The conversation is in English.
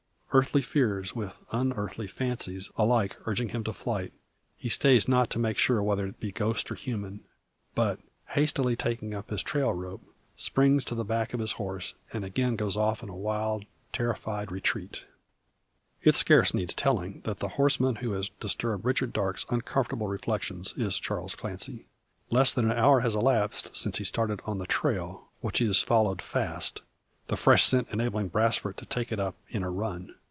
Earthly fears, with unearthly fancies, alike urging him to flight, he stays not to make sure whether it be ghost or human; but, hastily taking up his trail rope, springs to the back of his horse, and again goes off in wild terrified retreat. It scarce needs telling, that the horseman who has disturbed Richard Darke's uncomfortable reflections is Charles Clancy. Less than an hour has elapsed since his starting on the trail, which he has followed fast; the fresh scent enabling Brasfort to take it up in a run.